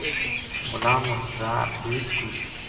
غلام مر تضیٰ بیڑ سکول